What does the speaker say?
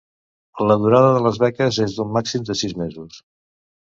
La durada de les beques és d'un màxim de sis mesos.